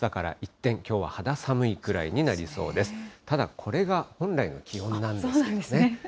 ただ、これが本来の気温なんですよね。